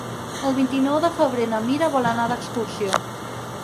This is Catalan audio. El vint-i-nou de febrer na Mira vol anar d'excursió.